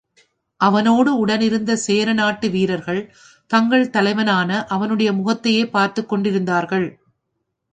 அவனோடு உடனிருந்த சேரநாட்டு வீரர்கள் தங்கள் தலைவனான அவனுடைய முகத்தையே பார்த்துக் கொண்டிருந்தார்கள்.